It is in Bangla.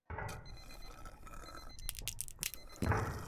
তিনি বৃহৎ আকারের একটি পারস্য বাহিনীর অগ্রসর হওয়ার খবর পান।